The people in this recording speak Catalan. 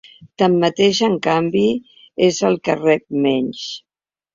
Tanmateix, en canvi, és el que rep menys.